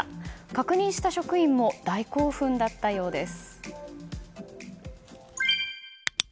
確認した職員も大興奮だったようです。